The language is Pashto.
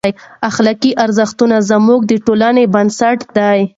اخلاقي ارزښتونه زموږ د ټولنې بنسټ دی.